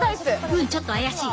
うんちょっと怪しい。